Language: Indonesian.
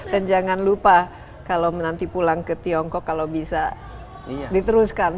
dan jangan lupa kalau nanti pulang ke tiongkok kalau bisa diteruskan